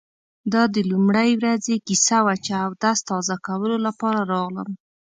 دا د لومړۍ ورځې کیسه وه چې اودس تازه کولو لپاره راغلم.